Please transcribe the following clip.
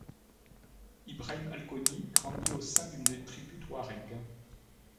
Ibrahim Al-Koni grandit au sein d'une tribu touareg.